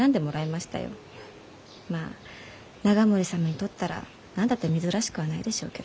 まあ永守様にとったら何だって珍しくはないでしょうけど。